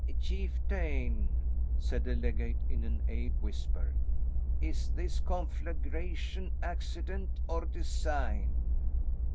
"Chieftain," said the legate in an awed whisper, "is this conflagration accident or design?"